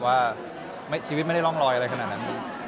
ว่าชีวิตไม่ได้ร่องรอยอะไรขนาดนั้น